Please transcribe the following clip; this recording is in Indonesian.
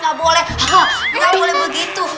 nggak boleh nggak boleh begitu